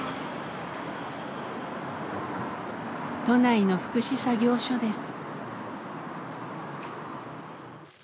都内の福祉作業所です。